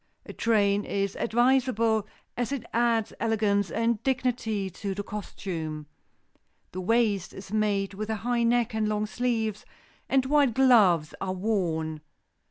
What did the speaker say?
A train is advisable, as it adds elegance and dignity to the costume. The waist is made with a high neck and long sleeves and white gloves are worn.